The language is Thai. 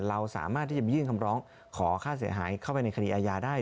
เราสามารถที่จะไปยื่นคำร้องขอค่าเสียหายเข้าไปในคดีอาญาได้